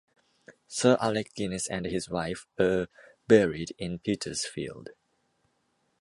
Sir Alec Guinness and his wife are buried in Petersfield.